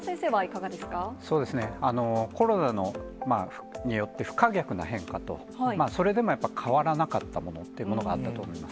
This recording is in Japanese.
そうですね、コロナによって不可逆な変化と、それでもやっぱ変わらなかったものっていうのが、あったと思います。